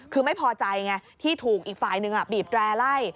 คือไม่พอใจไงที่ถูกอีกฝ่ายหนึ่งบีบแร่ไล่